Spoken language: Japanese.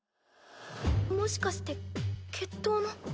もしかして決闘の。